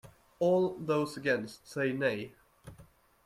All those against, say Nay.